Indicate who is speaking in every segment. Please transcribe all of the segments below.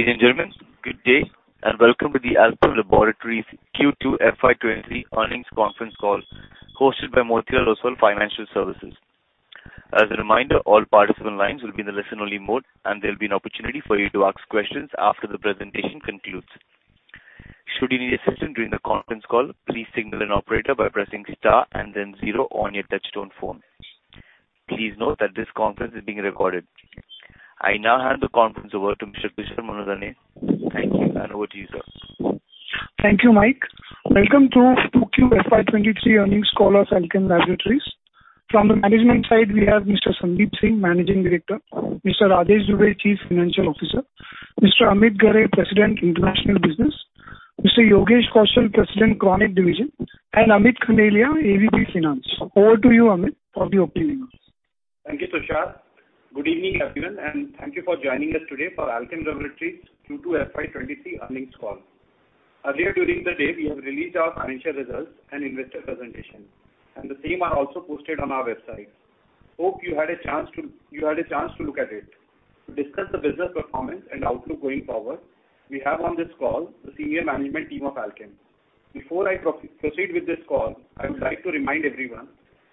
Speaker 1: Ladies and gentlemen, good day and welcome to the Alkem Laboratories Q2 FY2023 earnings conference call hosted by Motilal Oswal Financial Services. As a reminder, all participants' lines will be in the listen-only mode, and there'll be an opportunity for you to ask questions after the presentation concludes. Should you need assistance during the conference call, please signal an operator by pressing star and then zero on your touchtone phone. Please note that this conference is being recorded. I now hand the conference over to Mr. Tushar Manudhane. Thank you and over to you, sir.
Speaker 2: Thank you, Mike. Welcome to 2Q FY2023 earnings call of Alkem Laboratories. From the management side we have Mr. Sandip Singh, Managing Director, Mr. Rajesh Dubey, Chief Financial Officer, Mr. Amit Ghare, President, International Business, Mr. Yogesh Kaushal, President, Chronic Division, and Amit Kumar Khandelia, AVP Finance. Over to you, Amit, for the opening remarks.
Speaker 3: Thank you, Tushar. Good evening, everyone, and thank you for joining us today for Alkem Laboratories Q2 FY2023 earnings call. Earlier during the day, we have released our financial results and investor presentation, and the same are also posted on our website. Hope you had a chance to look at it. To discuss the business performance and outlook going forward, we have on this call the senior management team of Alkem. Before I proceed with this call, I would like to remind everyone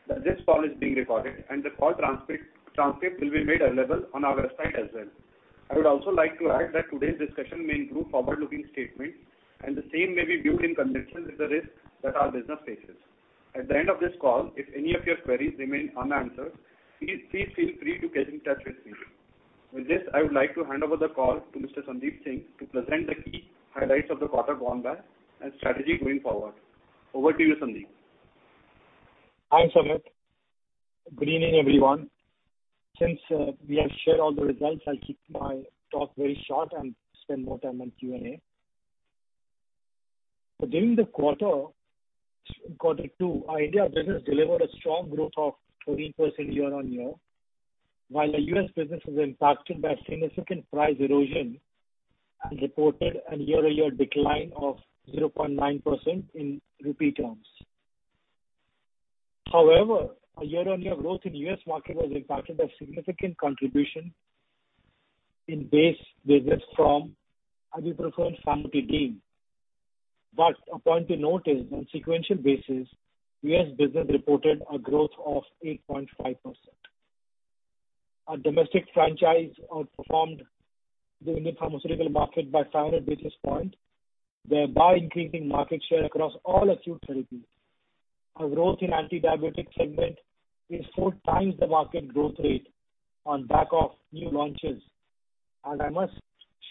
Speaker 3: that this call is being recorded and the call transcript will be made available on our website as well. I would also like to add that today's discussion may include forward-looking statements and the same may be viewed in conjunction with the risks that our business faces. At the end of this call, if any of your queries remain unanswered, please feel free to get in touch with me. With this, I would like to hand over the call to Mr. Sandeep Singh to present the key highlights of the quarter gone by and strategy going forward. Over to you, Sandeep.
Speaker 4: Hi, Amit. Good evening, everyone. Since we have shared all the results, I'll keep my talk very short and spend more time on Q&A. During the Q2, our India business delivered a strong growth of 13% year-on-year. While the U.S. business was impacted by significant price erosion and reported a year-on-year decline of 0.9% in rupee terms. However, our year-on-year growth in U.S. market was impacted by significant contribution in base business from Abilify and Samsca. A point to note is on sequential basis, U.S. business reported a growth of 8.5%. Our domestic franchise outperformed the Indian pharmaceutical market by 500 basis points, thereby increasing market share across all acute therapies. Our growth in anti-diabetic segment is 4 times the market growth rate on the back of new launches. I must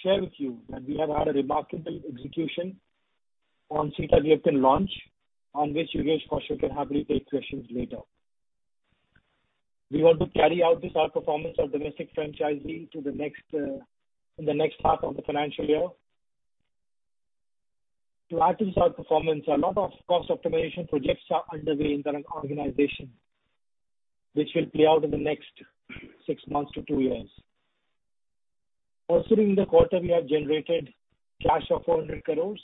Speaker 4: share with you that we have had a remarkable execution on sitagliptin launch on which Yogesh Kaushal can happily take questions later. We want to carry out this outperformance of domestic franchise to the next, in the next half of the financial year. To achieve this outperformance, a lot of cost optimization projects are underway in our organization, which will play out in the next six months to two years. Also, during the quarter, we have generated cash of 400 crore,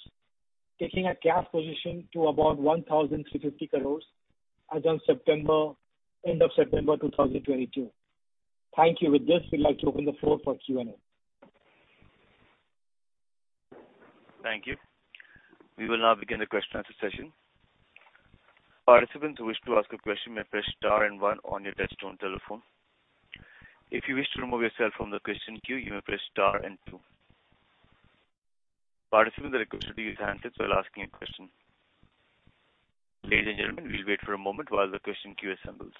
Speaker 4: taking our cash position to about 1,350 crore as on end of September 2022. Thank you. With this, we'd like to open the floor for Q&A.
Speaker 1: Thank you. We will now begin the question answer session. Participants who wish to ask a question may press star and one on your touchtone telephone. If you wish to remove yourself from the question queue, you may press star and two. Participants are requested to use handsets while asking a question. Ladies and gentlemen, we'll wait for a moment while the question queue assembles.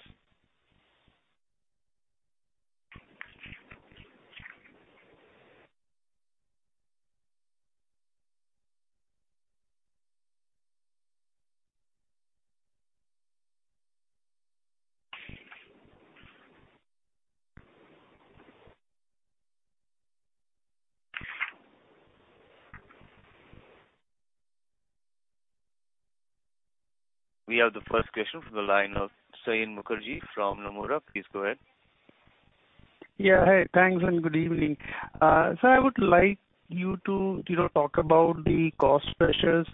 Speaker 1: We have the first question from the line of Saion Mukherjee from Nomura. Please go ahead.
Speaker 5: Yeah. Hey, thanks, and good evening. I would like you to talk about the cost pressures.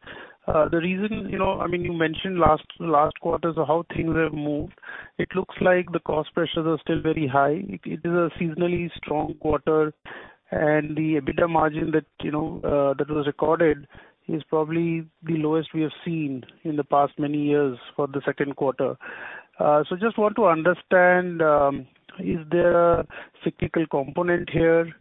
Speaker 5: The reason I mean, you mentioned last quarter how things have moved. It looks like the cost pressures are still very high. It is a seasonally strong quarter and the EBITDA margin that that was recorded is probably the lowest we have seen in the past many years for the Q2. I just want to understand, is there a cyclical component here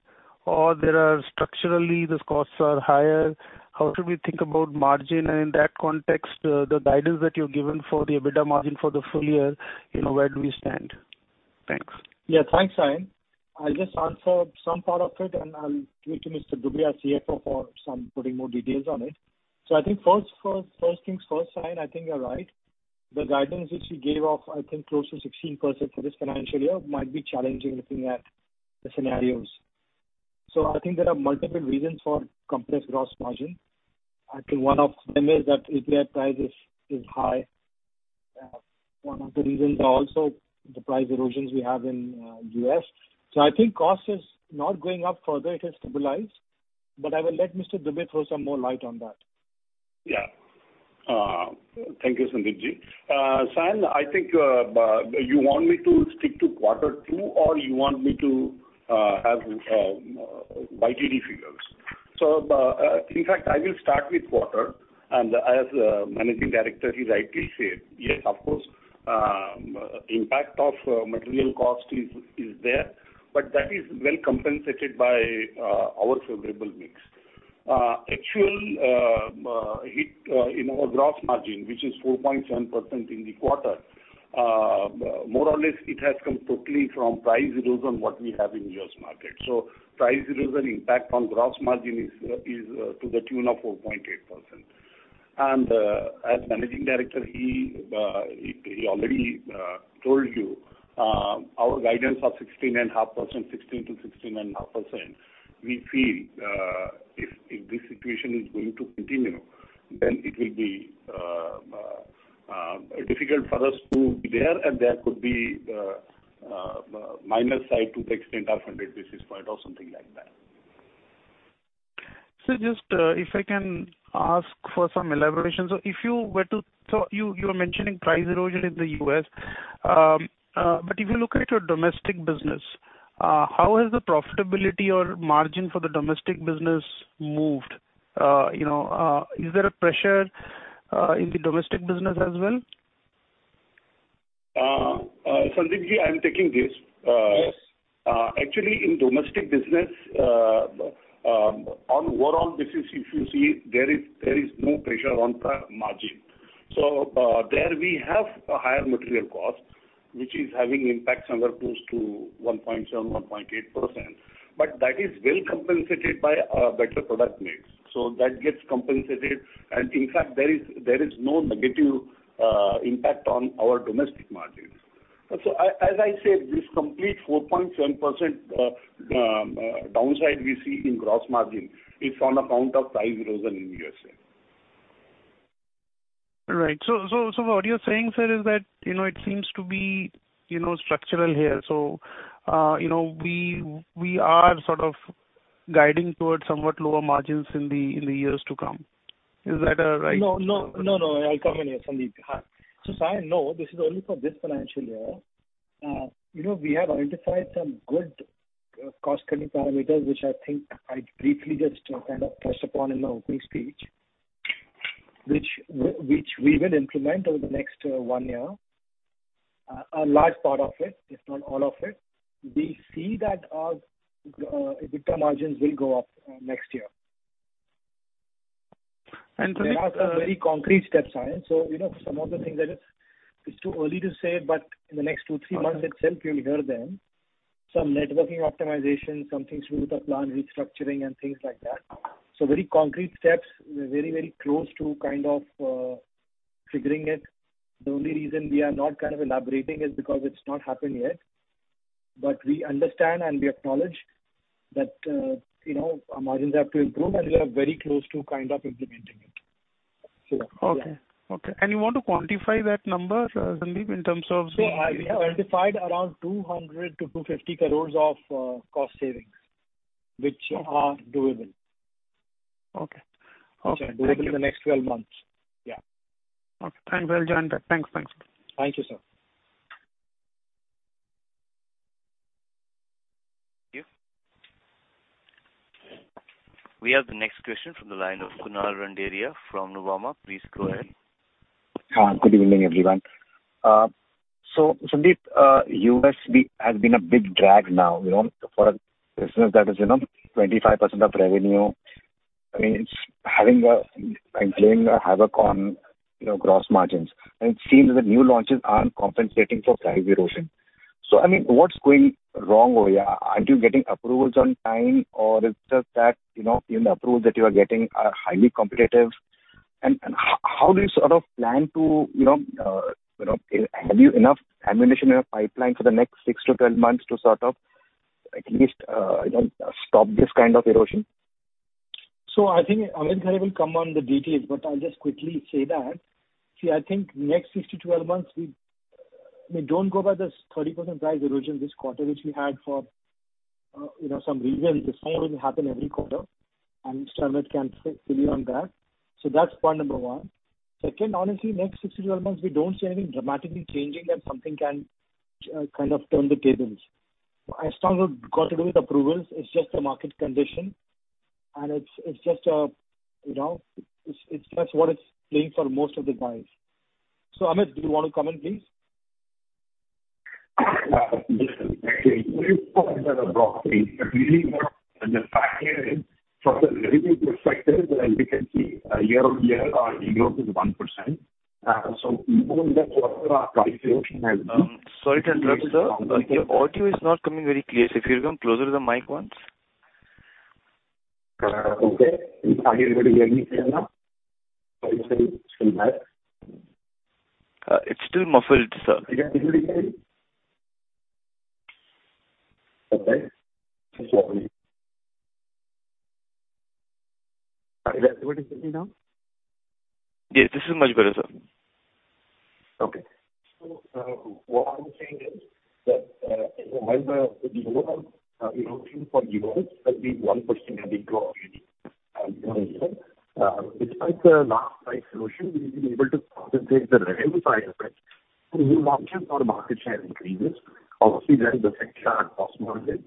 Speaker 5: or there are structurally these costs are higher? How should we think about margin? In that context, the guidance that you've given for the EBITDA margin for the full year where do we stand? Thanks.
Speaker 4: Yeah. Thanks, Saion. I'll just answer some part of it, and I'll give to Mr. Dubey, our CFO, for some putting more details on it. I think first things first, Saion, I think you're right. The guidance which we gave of, I think, close to 16% for this financial year might be challenging looking at the scenarios. I think there are multiple reasons for compressed gross margin. I think one of them is that input price is high. One of the reasons are also the price erosions we have in U.S. I think cost is not going up further. It has stabilized. I will let Mr. Dubey throw some more light on that.
Speaker 6: Thank you, Sandip. Sai, I think you want me to stick to Q2 or you want me to have YTD figures. In fact, I will start with quarter, and as Managing Director, he rightly said, yes, of course, impact of material cost is there, but that is well compensated by our favorable mix. Actual hit in our gross margin, which is 4.7% in the quarter, more or less it has come totally from price erosion what we have in U.S. Market. Price erosion impact on gross margin is to the tune of 4.8%. As Managing Director, he already told you our guidance of 16.5%, 16%-16.5%. We feel if this situation is going to continue, then it will be difficult for us to be there and there could be minus side to the extent of 100 basis points or something like that.
Speaker 5: Sir, just if I can ask for some elaboration. You were mentioning price erosion in the U.S. If you look at your domestic business, how has the profitability or margin for the domestic business moved?, is there a pressure in the domestic business as well?
Speaker 6: Sandip, I'm taking this.
Speaker 7: Yes.
Speaker 6: Actually, in domestic business, on overall basis, if you see, there is no pressure on the margin. There we have a higher material cost, which is having impact somewhere close to 1.7%-1.8%. That is well compensated by better product mix. That gets compensated. In fact, there is no negative impact on our domestic margins. As I said, this complete 4.7% downside we see in gross margin is on account of price erosion in USA.
Speaker 5: Right. What you're saying, sir, is that it seems to be structural here., we are sort of guiding towards somewhat lower margins in the years to come. Is that right?
Speaker 4: No. I'll come in here, Sandipji. Hi. Sai, no, this is only for this financial year., we have identified some good cost-cutting parameters, which I think I briefly just kind of touched upon in my opening speech, which we will implement over the next one year, a large part of it, if not all of it. We see that our EBITDA margins will go up next year.
Speaker 5: And from a-
Speaker 4: There are some very concrete steps, Sai., some of the things that it's too early to say, but in the next two, three months itself you'll hear them. Some networking optimization, some things to do with the plant restructuring and things like that. Very concrete steps. We're very, very close to kind of triggering it. The only reason we are not kind of elaborating is because it's not happened yet. We understand and we acknowledge that our margins have to improve, and we are very close to kind of implementing it. Yeah.
Speaker 5: You want to quantify that number, Sandip, in terms of the
Speaker 4: We have identified around 200-250 crores of cost savings which are doable.
Speaker 5: Okay. Thank you.
Speaker 4: Which are doable in the next 12 months. Yeah.
Speaker 5: Okay. Thanks. I'll join that. Thanks. Thanks.
Speaker 4: Thank you, sir.
Speaker 1: Thank you. We have the next question from the line of Kunal Randeria from Nomura. Please go ahead.
Speaker 8: Hi. Good evening, everyone. Sandip, U.S. has been a big drag now for a business that is 25% of revenue. I mean, it's having havoc on gross margins. It seems that the new launches aren't compensating for price erosion. I mean, what's going wrong over here? Aren't you getting approvals on time, or it's just that even the approvals that you are getting are highly competitive? How do you sort of plan to have you enough ammunition in your pipeline for the next 6-12 months to at least stop this kind of erosion?
Speaker 4: I think Amitji will come on the details, but I'll just quickly say that, see, I think next 6-12 months, I mean, don't go by this 30% price erosion this quarter, which we had for some reasons. The same wouldn't happen every quarter. Amit can fill you on that. That's point number one. Second, honestly, next 6-12 months, we don't see anything dramatically changing that something can kind of turn the tables. It's not got to do with approvals. It's just the market condition. It's just what it's playing for most of the guys. Amit, do you wanna comment, please?
Speaker 6: Yes. Actually, two points I'd like to broadly. But really, the fact here is from the revenue perspective, as you can see, year-over-year, our growth is 1%. Even in this quarter, our price erosion has been.
Speaker 1: Sorry to interrupt, sir. Your audio is not coming very clear. If you come closer to the mic once.
Speaker 6: Okay. Are you able to hear me clearly now? Or it's still bad?
Speaker 1: It's still muffled, sir.
Speaker 6: Again, can you hear me? Okay. Just one minute. Are you able to hear me now?
Speaker 1: Yes, this is much better, sir.
Speaker 8: Okay.
Speaker 9: What I'm saying is that while the overall market for Europe has been 1% annual growth, despite the last price erosion, we've been able to compensate the revenue side effects through new markets or market share increases. Obviously, there is effect on gross margin.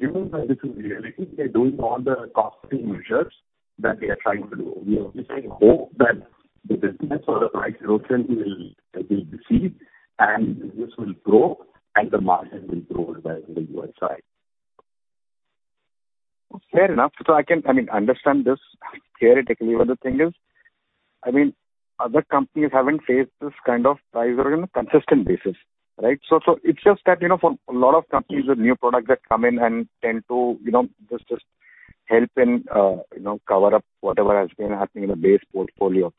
Speaker 9: Given that this is reality, we are doing all the cost-cutting measures that we are trying to do. We obviously hope that the business or the price erosion will recede, and business will grow and the margin will grow as well in the U.S. side.
Speaker 8: Fair enough. I can, I mean, understand this theoretically, but the thing is, I mean, other companies haven't faced this kind of price erosion on a consistent basis, right? It's just that for a lot of companies with new products that come in and tend to just help and cover up whatever has been happening in the base portfolio.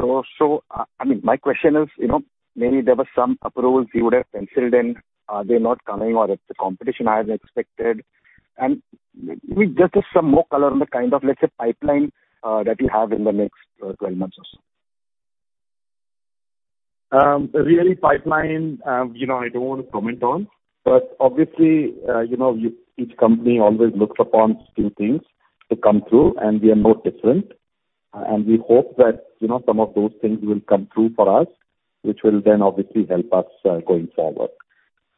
Speaker 8: I mean, my question is maybe there were some approvals you would have penciled in, are they not coming or if the competition hasn't expected? Maybe just some more color on the kind of, let's say, pipeline that you have in the next 12 months or so.
Speaker 9: The pipeline I don't want to comment on. obviously each company always looks upon new things to come through, and we are no different. We hope that some of those things will come through for us, which will then obviously help us going forward.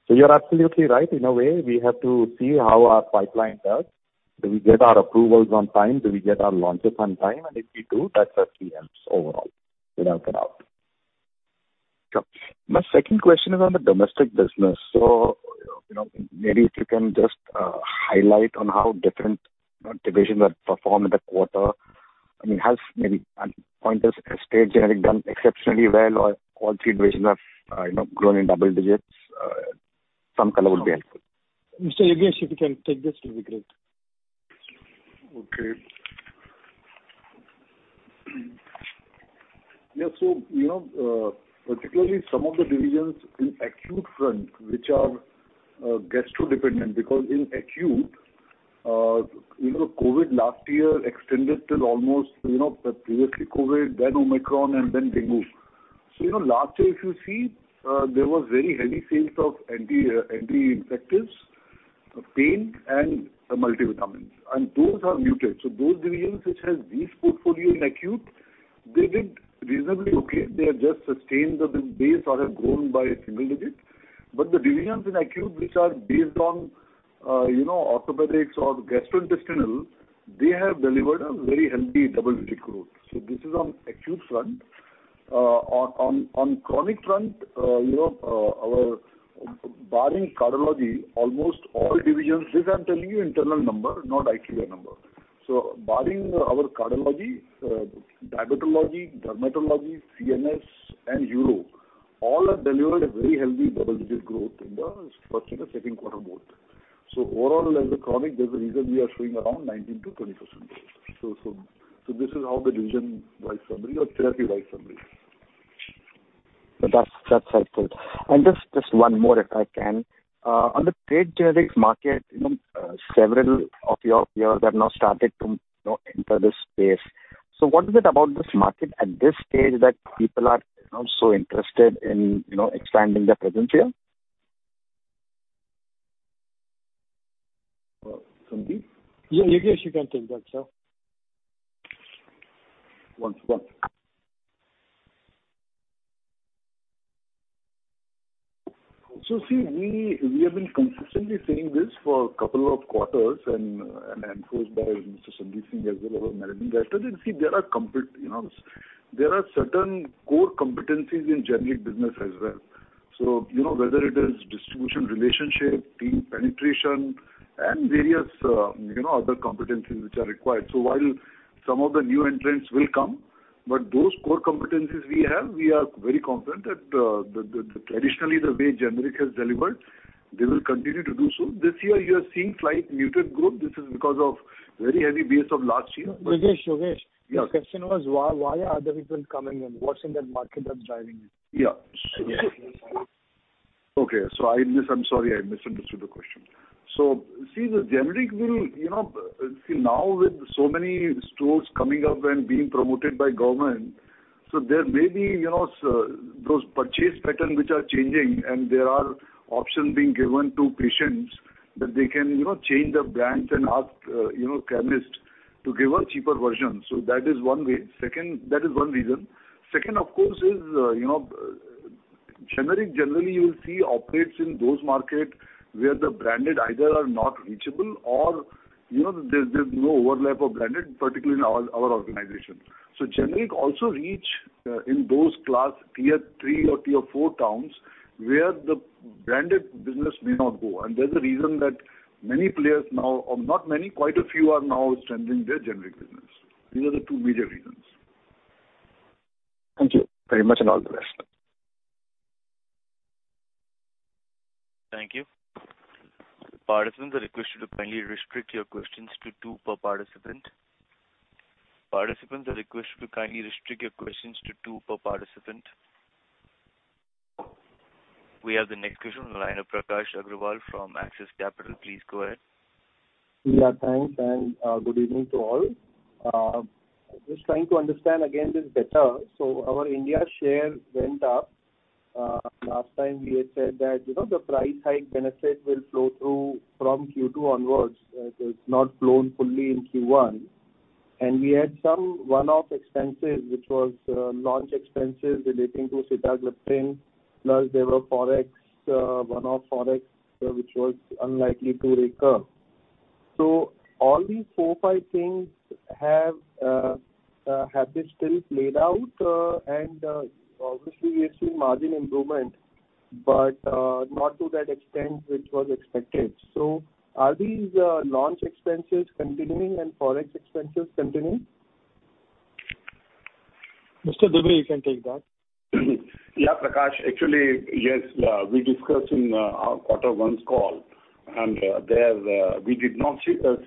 Speaker 9: You're absolutely right. In a way, we have to see how our pipeline does. Do we get our approvals on time? Do we get our launches on time? If we do, that certainly helps overall, without a doubt.
Speaker 8: Sure. My second question is on the domestic business., maybe if you can just highlight on how different divisions have performed in the quarter. I mean, has Stage Generic done exceptionally well, or all three divisions have grown in double digits? Some color would be helpful.
Speaker 9: Mr. Yogesh, if you can take this, it'll be great.
Speaker 6: Okay. Yeah., particularly some of the divisions in acute front, which are gastro dependent because in acute COVID last year extended till almost previously COVID, then Omicron, and then dengue., last year, if you see, there was very heavy sales of anti-infectives, pain and multivitamins, and those are muted. Those divisions which has these portfolio in acute, they did reasonably okay. They have just sustained the base or have grown by a single digit. The divisions in acute, which are based on orthopedics or gastrointestinal, they have delivered a very healthy double-digit growth. This is on acute front. On chronic front our barring cardiology, almost all divisions, this I'm telling you internal number, not IQVIA number. Barring our cardiology, diabetology, dermatology, CNS and uro, all have delivered a very healthy double-digit growth in the first and the Q2 both. Overall, as a chronic, there's a reason we are showing around 19%-20% growth. This is how the division-wise summary or therapy-wise summary.
Speaker 8: That's helpful. Just one more, if I can. On the trade generics market several of your peers have now started to enter this space. What is it about this market at this stage that people are so interested in expanding their presence here?
Speaker 9: Sandip? Yeah, Yogesh, you can take that, sir.
Speaker 6: See, we have been consistently saying this for a couple of quarters and enforced by Mr. Sandeep Singh as well, our Managing Director. See, there are certain core competencies in generic business as well., whether it is distribution relationship, team penetration and various other competencies which are required. While some of the new entrants will come, but those core competencies we have, we are very confident that, the traditionally the way generic has delivered, they will continue to do so. This year you are seeing slightly muted growth. This is because of very heavy base of last year.
Speaker 8: Yogesh.
Speaker 6: Yes.
Speaker 8: The question was why are other people coming in? What's in that market that's driving it?
Speaker 6: I'm sorry, I misunderstood the question. See, the generic will see now with so many stores coming up and being promoted by government, so there may be those purchase pattern which are changing, and there are options being given to patients that they can change the brands and ask chemist to give a cheaper version. That is one way. That is one reason. Second, of course, is generic generally you'll see operates in those market where the branded either are not reachable or there's no overlap of branded, particularly in our organization. Generic also reach in those class tier three or tier four towns where the branded business may not go. There's a reason that many players now, or not many, quite a few, are now strengthening their generic business. These are the two major reasons.
Speaker 8: Thank you very much and all the best.
Speaker 1: Thank you. Participants are requested to kindly restrict your questions to two per participant. We have the next question on the line of Prakash Agrawal from Axis Capital. Please go ahead.
Speaker 10: Yeah, thanks, good evening to all. Just trying to understand again this better. Our India share went up. Last time we had said that the price hike benefit will flow through from Q2 onwards. It is not flown fully in Q1. We had some one-off expenses, which was launch expenses relating to sitagliptin. Plus there were Forex one-off Forex, which was unlikely to recur. All these four, five things have they still played out? Obviously we have seen margin improvement, but not to that extent which was expected. Are these launch expenses continuing and Forex expenses continuing?
Speaker 4: Mr. Dubey, you can take that.
Speaker 6: Yeah, Prakash, actually, yes. We discussed in our quarter one's call, and there we did not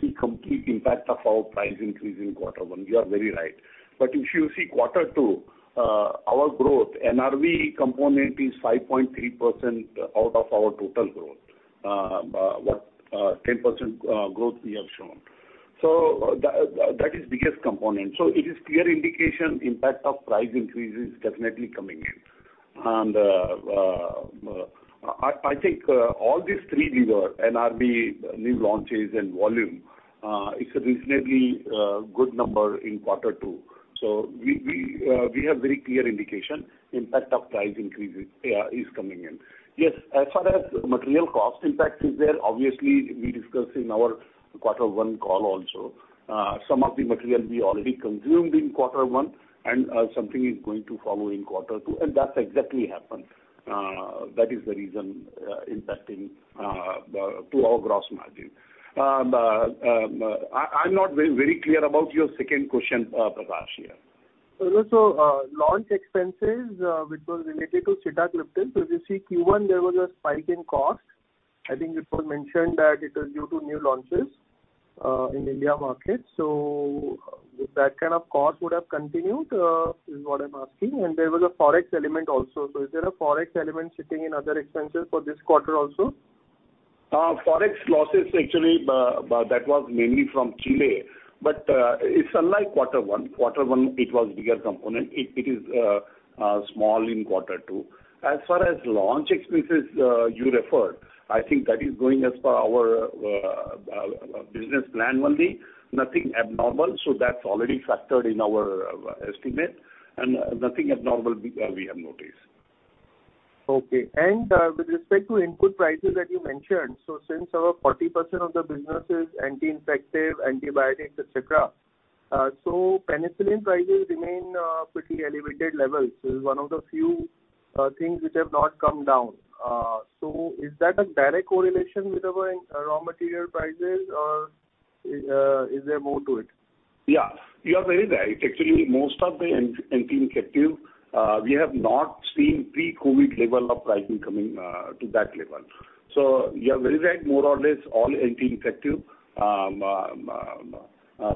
Speaker 6: see complete impact of our price increase in Q1. You are very right. If you see Q2, our growth NRV component is 5.3% out of our total growth of 10% growth we have shown. That is biggest component. It is clear indication impact of price increase is definitely coming in. I think all these three levers NRV, new launches and volume, it's a reasonably good number in Q2. We have very clear indication impact of price increase is coming in. Yes, as far as material cost impact is there, obviously we discussed in our Q1 call also. Some of the material we already consumed in Q1 and something is going to follow in Q2, and that's exactly happened. That is the reason impacting our gross margin. I'm not very clear about your second question, Prakash.
Speaker 10: Launch expenses, which was related to sitagliptin. If you see Q1, there was a spike in cost. I think it was mentioned that it was due to new launches in Indian market. If that kind of cost would have continued, is what I'm asking. There was a Forex element also. Is there a Forex element sitting in other expenses for this quarter also?
Speaker 6: Forex losses actually, that was mainly from Chile, but it's unlike Q1. Q1, it was bigger component. It is small in Q2. As far as launch expenses, you referred, I think that is going as per our business plan only, nothing abnormal, so that's already factored in our estimate and nothing abnormal we have noticed.
Speaker 10: Okay. With respect to input prices that you mentioned, so since our 40% of the business is anti-infective, antibiotics, et cetera, so penicillin prices remain pretty elevated levels. This is one of the few things which have not come down. Is that a direct correlation with our raw material prices or is there more to it?
Speaker 6: Yeah. You are very right. Actually, most of the anti-infective, we have not seen pre-COVID level of pricing coming to that level. You are very right, more or less all anti-infective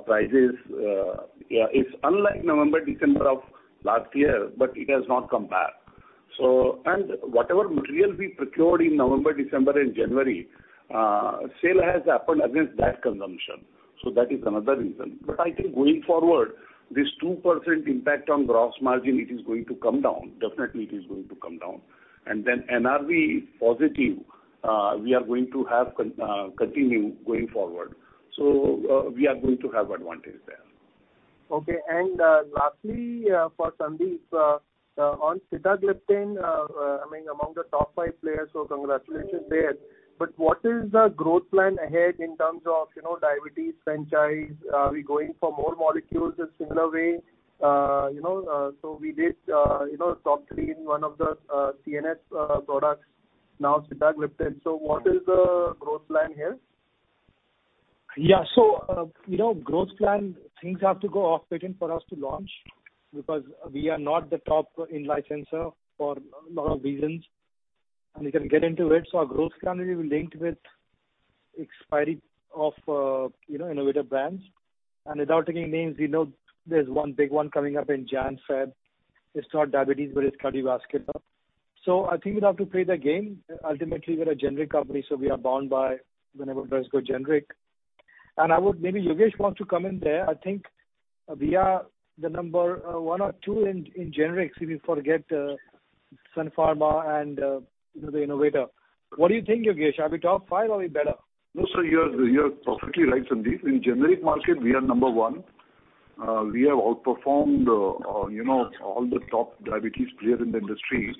Speaker 6: prices, yeah, it's unlike November, December of last year, but it has not come back. Whatever material we procured in November, December and January, sale has happened against that consumption. That is another reason. I think going forward, this 2% impact on gross margin, it is going to come down. Definitely it is going to come down. Then NRV positive, we are going to continue going forward. We are going to have advantage there.
Speaker 10: Okay. Lastly, for Sandeep, on sitagliptin, I mean, among the top 5 players, so congratulations there. What is the growth plan ahead in terms of diabetes franchise? Are we going for more molecules in similar way? We did top 3 in one of the CNS products, now sitagliptin. What is the growth plan here?
Speaker 4: Yeah., growth plan things have to go off patent for us to launch because we are not the top in licensor for a lot of reasons, and we can get into it. Our growth plan will be linked with expiry of innovative brands. Without taking names, we know there's one big one coming up in January, February. It's not diabetes, but it's cardiovascular. I think we'd have to play the game. Ultimately, we're a generic company, so we are bound by whenever drugs go generic. I would. Maybe Yogesh wants to come in there. I think we are the number one or two in generics if you forget Sun Pharma and the innovator. What do you think, Yogesh? Are we top five or are we better?
Speaker 6: No, sir, you are perfectly right, Sandeep. In generic market, we are number one. We have outperformed all the top diabetes player in the industry.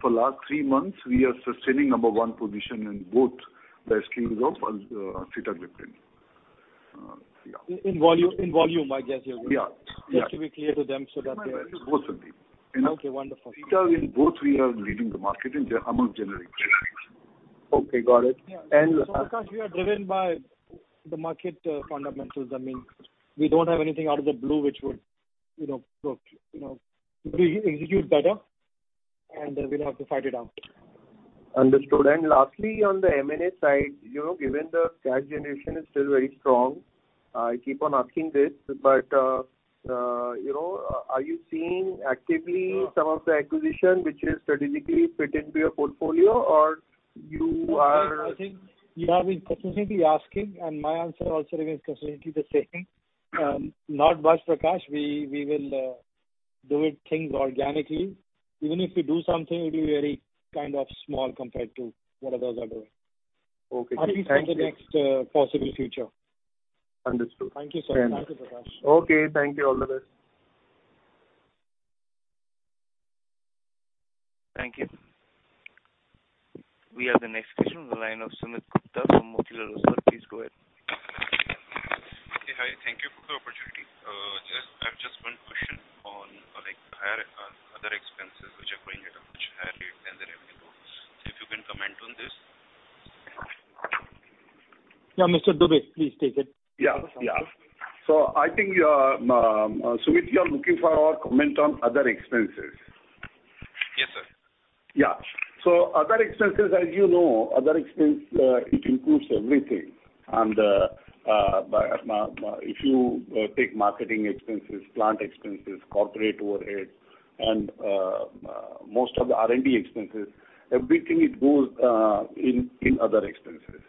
Speaker 6: For last three months, we are sustaining number one position in both the SKUs of sitagliptin. Yeah.
Speaker 4: In volume, I guess you're good.
Speaker 6: Yeah. Yeah.
Speaker 4: Just to be clear to them so that they.
Speaker 6: No, no. Both Sandeep.
Speaker 4: Okay, wonderful.
Speaker 6: Because in both we are leading the market among generic players.
Speaker 4: Okay, got it. Prakash, we are driven by the market fundamentals. I mean, we don't have anything out of the blue which would go,. We execute better and we'll have to fight it out.
Speaker 10: Understood. Lastly, on the M&A side given the cash generation is still very strong.
Speaker 11: I keep on asking this, but are you seeing actively some of the acquisition which is strategically fit into your portfolio or you are?
Speaker 4: I think you have been consistently asking, and my answer also remains consistently the same. Not much, Prakash. We will do things organically. Even if we do something, it'll be very kind of small compared to what others are doing.
Speaker 11: Okay. Thank you.
Speaker 4: At least for the next, possible future.
Speaker 11: Understood.
Speaker 4: Thank you, sir. Thank you, Prakash.
Speaker 11: Okay. Thank you. All the best.
Speaker 1: Thank you. We have the next question on the line of Sumit Gupta from Motilal Oswal. Please go ahead.
Speaker 12: Hey. Hi. Thank you for the opportunity. Yes, I have just one question on, like, higher, other expenses which are going at a much higher rate than the revenue growth. If you can comment on this?
Speaker 4: Yeah, Mr. Dubey, please take it.
Speaker 6: I think you are, Sumit, looking for our comment on other expenses.
Speaker 12: Yes, sir.
Speaker 6: Yeah. Other expenses, as, it includes everything. If you take marketing expenses, plant expenses, corporate overheads, and most of the R&D expenses, everything it goes in other expenses.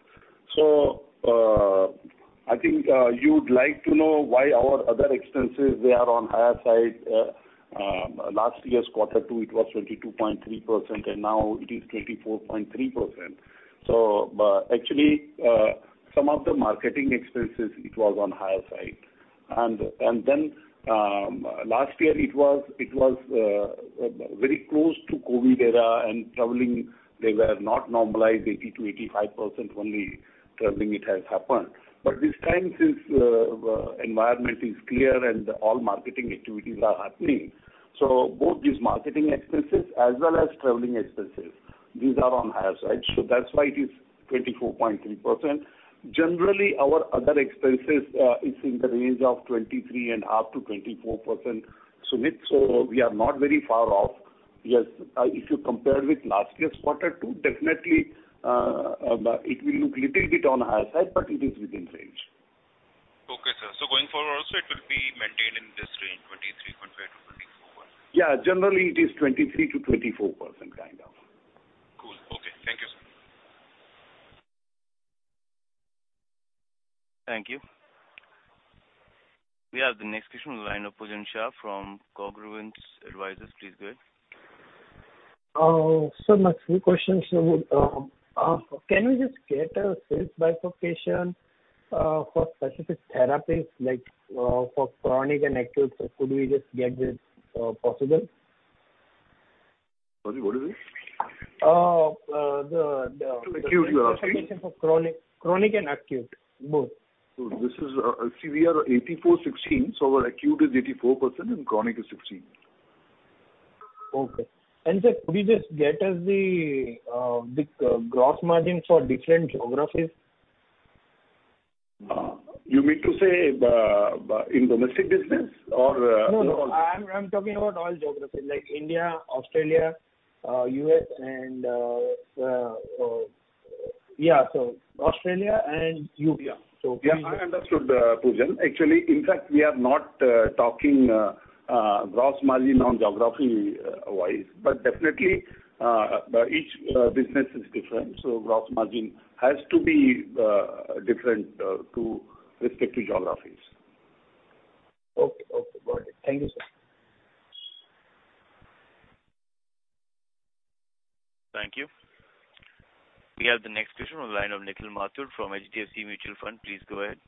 Speaker 6: I think you'd like to know why our other expenses they are on higher side. Last year's Q2, it was 22.3%, and now it is 24.3%. Actually, some of the marketing expenses it was on higher side. Then last year it was very close to COVID era and traveling they were not normalized. 80%-85% only traveling it has happened. This time since environment is clear and all marketing activities are happening, so both these marketing expenses as well as traveling expenses, these are on higher side. So that's why it is 24.3%. Generally, our other expenses is in the range of 23.5%-24%, Sumeet. So we are not very far off. Yes, if you compare with last year's Q2, definitely, it will look little bit on higher side, but it is within range.
Speaker 12: Okay, sir. Going forward also it will be maintained in this range, 23.5%-24%?
Speaker 6: Yeah. Generally, it is 23%-24% kind of.
Speaker 12: Cool. Okay. Thank you, sir.
Speaker 1: Thank you. We have the next question on the line of Pujan Shah from Congruent Advisors. Please go ahead.
Speaker 13: Sir, my three questions. Can we just get a sales bifurcation for specific therapies, like, for chronic and acute? Could we just get this possible?
Speaker 6: Sorry, what is it?
Speaker 13: Uh, uh, the-
Speaker 6: Q2, you are asking?
Speaker 13: The bifurcation for chronic and acute, both.
Speaker 6: This is, see, we are 84-16, so our acute is 84% and chronic is 16.
Speaker 13: Okay. Sir, could you just get us the gross margin for different geographies?
Speaker 6: You mean to say the in domestic business or in all?
Speaker 13: No, no. I'm talking about all geographies like India, Australia, U.S. and yeah, so Australia and U.S. Please-
Speaker 6: Yeah, I understood, Pujan. Actually, in fact, we are not talking gross margin on geography-wise, but definitely each business is different, so gross margin has to be different to respective geographies.
Speaker 13: Okay. Okay. Got it. Thank you, sir.
Speaker 1: Thank you. We have the next question on the line of Nikhil Mathur from HDFC Mutual Fund. Please go ahead.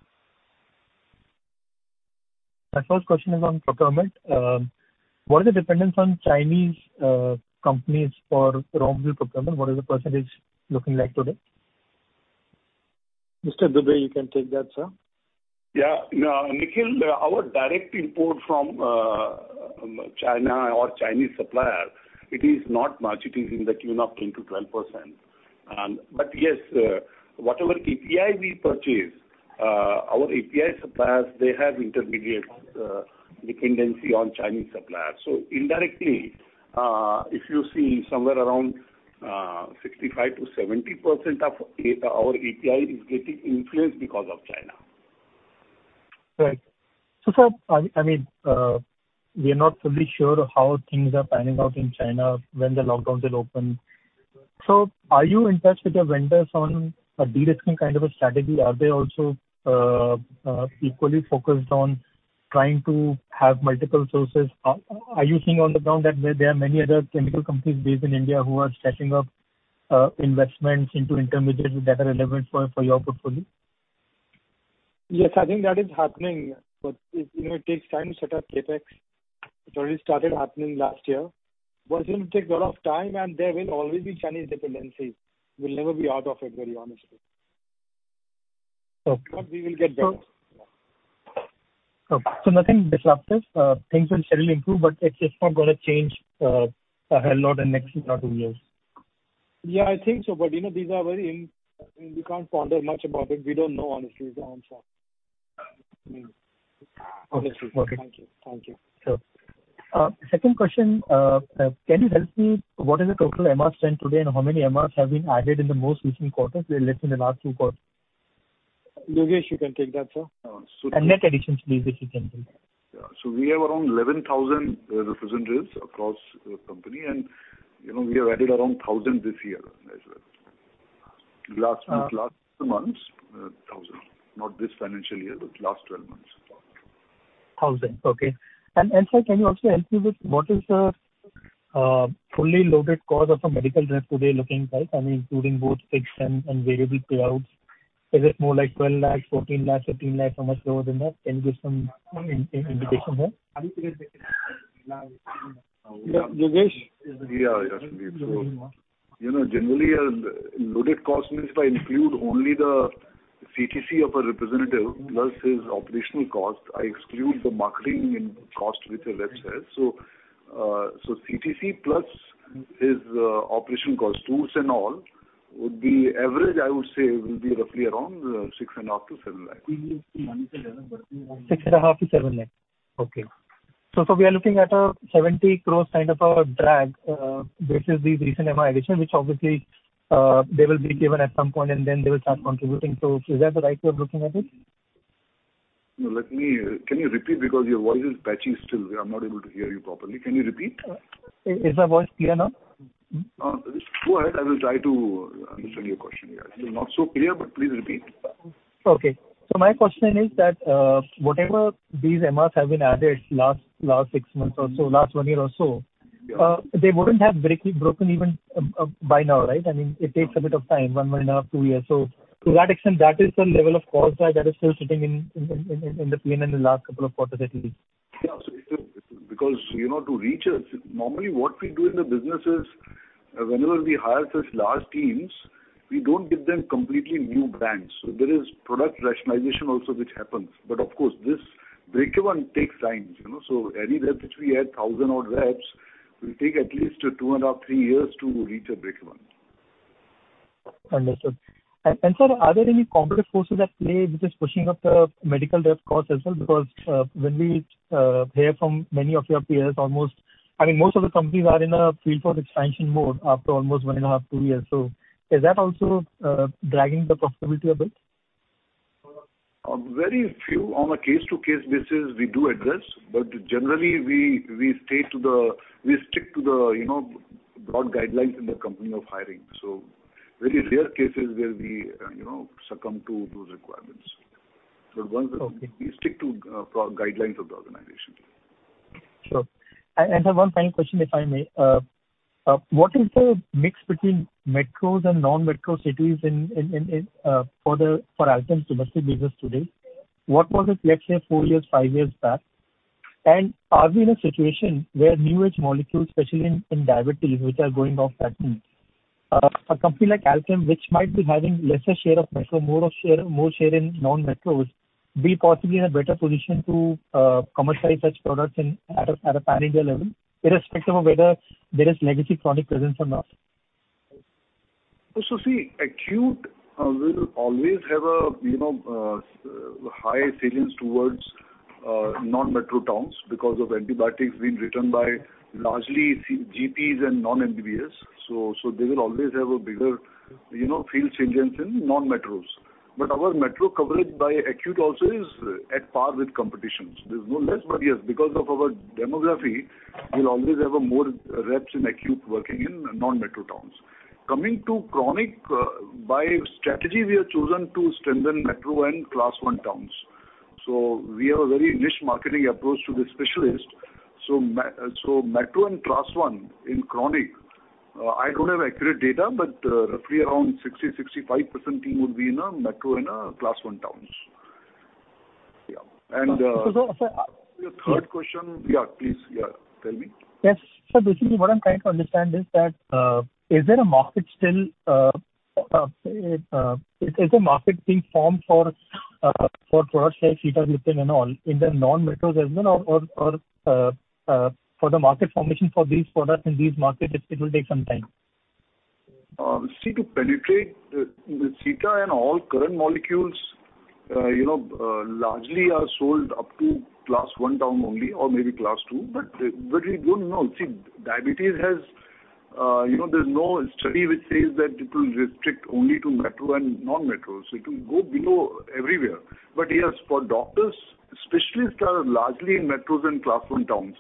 Speaker 11: My first question is on procurement. What is the dependence on Chinese companies for raw material procurement? What is the percentage looking like today?
Speaker 4: Mr. Dubey, you can take that, sir.
Speaker 6: Yeah. Nikhil, our direct import from China or Chinese supplier, it is not much. It is in the tune of 10%-12%. Yes, whatever API we purchase, our API suppliers, they have intermediate dependency on Chinese suppliers. Indirectly, if you see somewhere around 65%-70% of our API is getting influenced because of China.
Speaker 11: Right. I mean, we are not fully sure how things are panning out in China when the lockdowns will open. Are you in touch with your vendors on a de-risking kind of a strategy? Are they also equally focused on trying to have multiple sources? Are you seeing on the ground that there are many other chemical companies based in India who are setting up investments into intermediates that are relevant for your portfolio?
Speaker 4: Yes, I think that is happening., it takes time to set up CapEx. It already started happening last year. It will take a lot of time, and there will always be Chinese dependency. We'll never be out of it, very honestly.
Speaker 11: Okay.
Speaker 4: We will get better.
Speaker 11: Okay. Nothing disruptive. Things will steadily improve, but it's just not gonna change a hell lot in next one or two years.
Speaker 4: Yeah, I think so., these are very and we can't ponder much about it. We don't know honestly the answer.
Speaker 11: Okay. Okay.
Speaker 4: Thank you. Thank you.
Speaker 11: Sure. Second question. Can you help me, what is the total MR strength today, and how many MRs have been added in the most recent quarter? They are less in the last Q2.
Speaker 6: Yogesh, you can take that, sir.
Speaker 11: Net additions, please, if you can.
Speaker 6: Yeah. We have around 11,000 representatives across the company, and we have added around 1,000 this year as well. Last months 1,000. Not this financial year, but last 12 months.
Speaker 11: Thousand. Okay. Sir, can you also help me with what is the fully loaded cost of a medical rep today looking like? I mean, including both fixed and variable payouts. Is it more like 12 lakhs, 14 lakhs, 15 lakhs or much lower than that? Can you give some indication there?
Speaker 6: Yeah. Yogesh.
Speaker 11: Yogesh.
Speaker 6: Yogesh Kaushal., generally a loaded cost means if I include only the CTC of a representative plus his operational cost, I exclude the marketing cost with the rep sales. CTC plus his operational cost, tools and all, would be average. I would say it will be roughly around 6.5-7 lakh.
Speaker 11: 6.5 lakh-7 lakh. Okay. We are looking at a 70 crores kind of a drag, versus the recent MR addition, which obviously, they will be given at some point, and then they will start contributing. Is that the right way of looking at it?
Speaker 6: Can you repeat? Because your voice is patchy still. I'm not able to hear you properly. Can you repeat?
Speaker 11: Is my voice clear now?
Speaker 6: Just go ahead. I will try to understand your question. Yeah. It is not so clear, but please repeat.
Speaker 11: Okay. My question is that, whatever these MRs have been added last six months or so, last one year or so.
Speaker 6: Yeah.
Speaker 11: They wouldn't have broken even by now, right? I mean, it takes a bit of time, one and a half, two years. To that extent, that is the level of cost side that is still sitting in the P&L in the last couple of quarters at least.
Speaker 6: Yeah. It will. because to reach us, normally what we do in the business is whenever we hire such large teams, we don't give them completely new brands. There is product rationalization also which happens. Of course this break-even takes time,. Any reps which we add, 1,000-odd reps, will take at least two and a half-threeyears to reach a break-even.
Speaker 11: Understood. Sir, are there any competitive forces at play which is pushing up the medical rep cost as well? Because when we hear from many of your peers, almost, I mean, most of the companies are in a field force expansion mode after almost one and a half-two years. Is that also dragging the profitability a bit?
Speaker 6: Very few. On a case-to-case basis, we do address, but generally we stick to the broad guidelines in the company of hiring. Very rare cases where we succumb to those requirements. Once-
Speaker 11: Okay.
Speaker 6: We stick to guidelines of the organization.
Speaker 11: Sure. Sir, one final question, if I may. What is the mix between metros and non-metro cities in Alkem's commercial business today? What was it, let's say four years, five years back? Are we in a situation where new age molecules, especially in diabetes, which are going off patent, a company like Alkem which might be having lesser share of metro, more share in non-metros, be possibly in a better position to commercialize such products in a pan-India level, irrespective of whether there is legacy chronic presence or not.
Speaker 6: See, acute will always have a high salience towards non-metro towns because of antibiotics being written by largely C-class GPs and non-MBBS. They will always have a bigger field salience in non-metros. Our metro coverage by acute also is at par with competition. There's no less, but yes, because of our demographics, we'll always have more reps in acute working in non-metro towns. Coming to chronic, by strategy, we have chosen to strengthen metro and class one towns. We have a very niche marketing approach to the specialists. Metro and class one in chronic, I don't have accurate data, but roughly around 60-65% team would be in a metro, in class one towns.
Speaker 11: Sir.
Speaker 6: Your third question. Yeah, please. Yeah. Tell me.
Speaker 11: Basically what I'm trying to understand is that, is there a market still, is a market being formed for products like sitagliptin and all in the non-metros as well or, for the market formation for these products in these markets, it will take some time?
Speaker 6: See to penetrate the SGLT2 and all current molecules largely are sold up to class one town only, or maybe class two. We don't know. See, diabetes has, there's no study which says that it will restrict only to metro and non-metros. It will go below everywhere. Yes, for doctors, specialists are largely in metros and class one towns.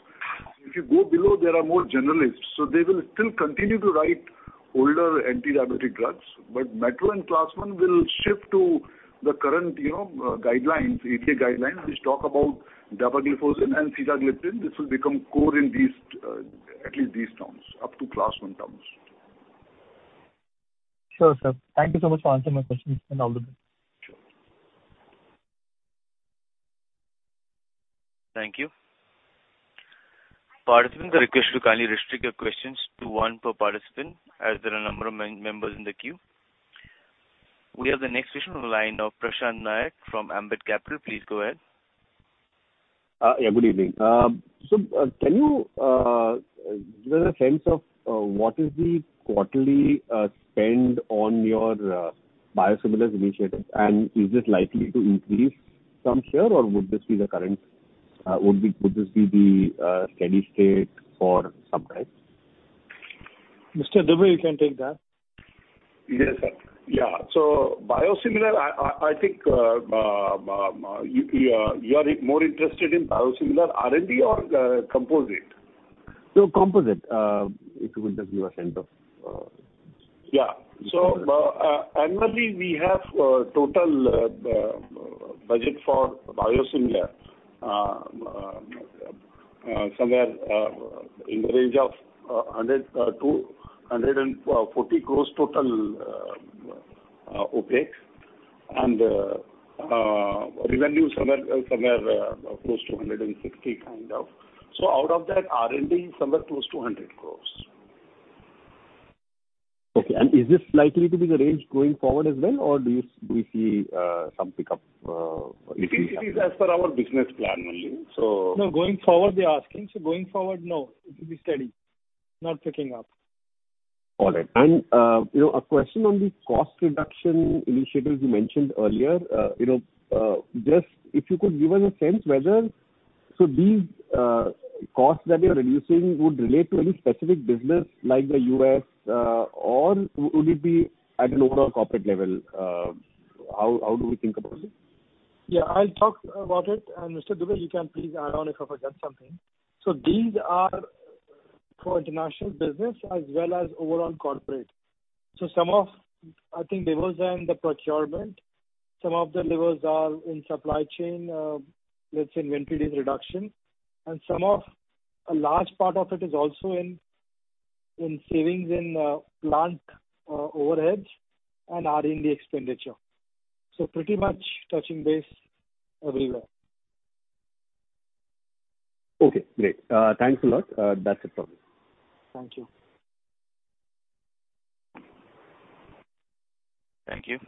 Speaker 6: If you go below, there are more generalists, so they will still continue to write older anti-diabetic drugs. Metro and class one will shift to the current guidelines, ADA guidelines, which talk about dapagliflozin and sitagliptin. This will become core in these at least these towns, up to class one towns.
Speaker 11: Sure, sir. Thank you so much for answering my questions and all the best.
Speaker 6: Sure.
Speaker 1: Thank you. Participants, I request you to kindly restrict your questions to one per participant as there are a number of members in the queue. We have the next question on the line of Prashant Nayak from Ambit Capital. Please go ahead.
Speaker 7: Yeah, good evening. Can you give us a sense of what is the quarterly spend on your biosimilars initiative? Is it likely to increase from here, or would this be the current steady state for some time?
Speaker 4: Mr. Dubey, you can take that.
Speaker 9: Yes, sir. Yeah. Biosimilar, I think you are more interested in biosimilar R&D or complex?
Speaker 7: Composite. If you could just give a sense of,
Speaker 9: Yeah. Annually, we have total budget for biosimilar somewhere in the range of 100 crores-240 crores total OPEX. Revenue somewhere close to 160 crores kind of. Out of that R&D is somewhere close to 100 crores.
Speaker 7: Okay. Is this likely to be the range going forward as well, or do you see some pickup, if you-
Speaker 9: It is as per our business plan only.
Speaker 4: No, going forward they're asking. Going forward, no, it will be steady. Not picking up.
Speaker 7: All right., a question on the cost reduction initiatives you mentioned earlier., just if you could give us a sense whether these costs that you're reducing would relate to any specific business like the U.S., or would it be at an overall corporate level? How do we think about it?
Speaker 4: Yeah, I'll talk about it. Mr. Dubey, you can please add on if I forget something. These are for international business as well as overall corporate. Some of, I think levers are in the procurement. Some of the levers are in supply chain, let's say inventory days reduction. Some of, a large part of it is also in savings in plant overheads and R&D expenditure. Pretty much touching base everywhere.
Speaker 7: Okay, great. Thanks a lot. That's it from me.
Speaker 4: Thank you.
Speaker 1: Thank you.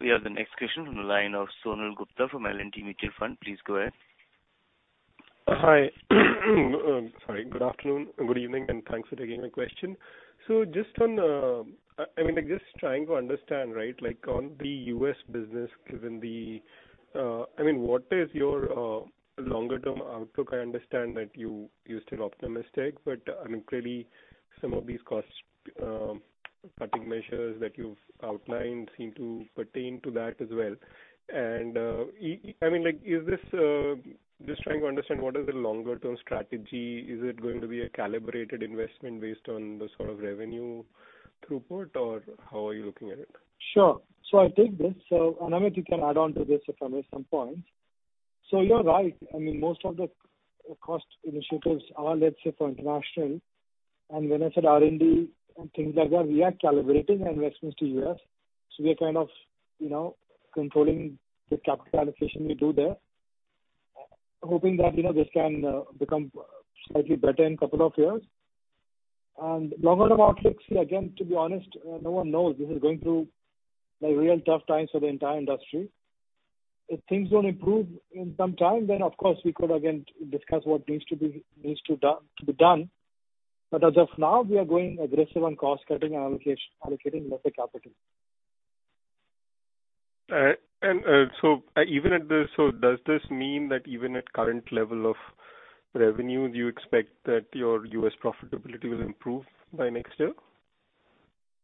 Speaker 1: We have the next question from the line of Sonal Gupta from L&T Mutual Fund. Please go ahead.
Speaker 14: Hi. Sorry, good afternoon, good evening, and thanks for taking my question. Just on, I mean, like just trying to understand, right? Like on the U.S. business, given the, I mean, what is your longer term outlook? I understand that you're still optimistic, but I mean, clearly some of these cost cutting measures that you've outlined seem to pertain to that as well. I mean, like, is this just trying to understand what is the longer term strategy. Is it going to be a calibrated investment based on the sort of revenue throughput, or how are you looking at it?
Speaker 4: Sure. I'll take this. Amit, you can add on to this if I miss some points. You're right. I mean, most of the cost initiatives are, let's say, for international. When I said R&D and things like that, we are calibrating investments to U.S. We are kind of controlling the capital allocation we do there. Hoping that this can become slightly better in couple of years. Longer term outlook, again, to be honest, no one knows. This is going through, like, real tough times for the entire industry. If things don't improve in some time, then of course we could again discuss what needs to be done. But as of now we are going aggressive on cost-cutting and allocation, allocating lesser capital.
Speaker 14: Even at this, does this mean that even at current level of revenue, do you expect that your U.S. profitability will improve by next year?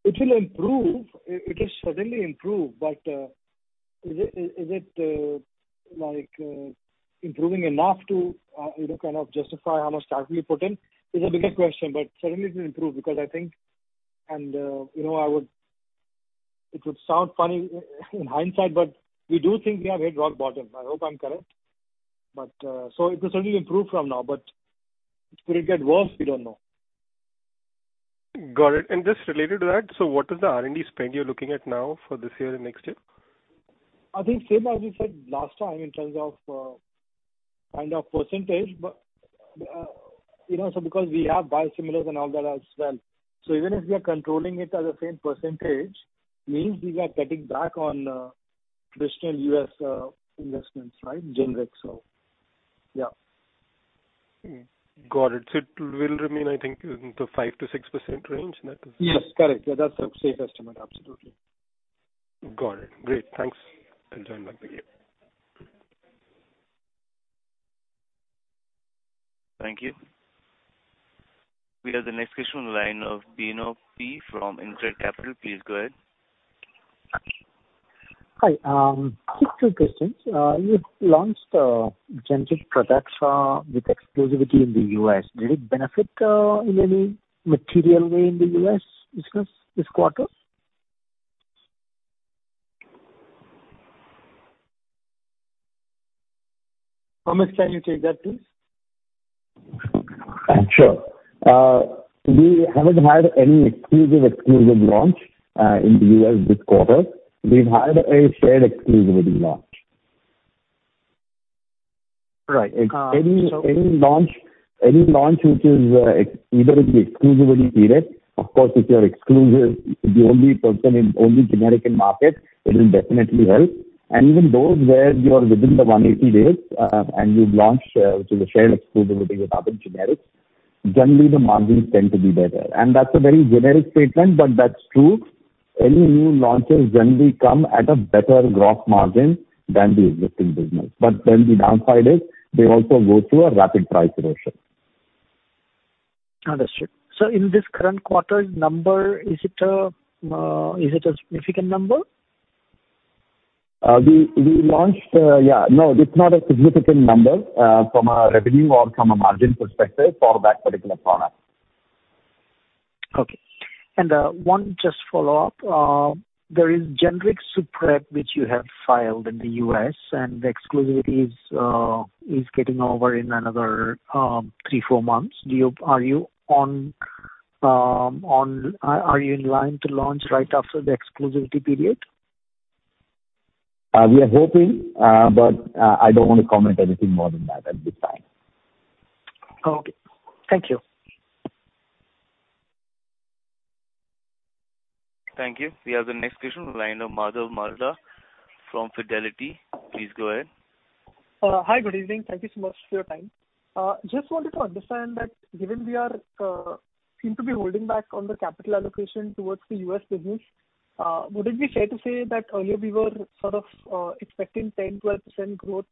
Speaker 4: It will improve. It will certainly improve. But is it like kind of justify how much capital you put in is a bigger question. But certainly it will improve because I think it would sound funny in hindsight, but we do think we have hit rock bottom. I hope I'm correct. It will certainly improve from now, but could it get worse? We don't know.
Speaker 14: Got it. Just related to that, so what is the R&D spend you're looking at now for this year and next year?
Speaker 4: I think same as we said last time in terms of kind of percentage., so because we have biosimilars and all that as well. Even if we are controlling it at the same percentage, means we are cutting back on traditional U.S. investments, right? Generics. Yeah.
Speaker 14: Got it. It will remain, I think, in the 5%-6% range. Is that?
Speaker 4: Yes. Correct. Yeah, that's a safe estimate. Absolutely.
Speaker 14: Got it. Great. Thanks. I'll turn back again.
Speaker 1: Thank you. We have the next question on the line of Bino Pathiparampil from InCred Capital. Please go ahead.
Speaker 15: Hi. Just two questions. You launched generic Pradaxa with exclusivity in the U.S. Did it benefit in any material way in the U.S. business this quarter?
Speaker 4: Amit, can you take that, please?
Speaker 9: Sure. We haven't had any exclusive launch in the U.S. this quarter. We've had a shared exclusivity launch.
Speaker 15: Right.
Speaker 9: Any launch which is either in the exclusivity period, of course if you're exclusive, the only generic in market, it will definitely help. Even those where you are within the 180 days and you've launched, which is a shared exclusivity with other generics, generally the margins tend to be better. That's a very generic statement, but that's true.
Speaker 4: Any new launches generally come at a better gross margin than the existing business. The downside is they also go through a rapid price erosion.
Speaker 9: Understood. In this current quarter's number, is it a significant number?
Speaker 4: We launched. No, it's not a significant number from a revenue or from a margin perspective for that particular product.
Speaker 9: One just follow-up. There is generic Suprep which you have filed in the U.S. and the exclusivity is getting over in another 3-4 months. Are you in line to launch right after the exclusivity period?
Speaker 4: We are hoping, but I don't wanna comment anything more than that at this time.
Speaker 9: Okay. Thank you.
Speaker 1: Thank you. We have the next question on the line of Madhav Marda from Fidelity. Please go ahead.
Speaker 16: Hi, good evening. Thank you so much for your time. Just wanted to understand that given we are seem to be holding back on the capital allocation towards the U.S. business, would it be fair to say that earlier we were sort of expecting 10-12% growth?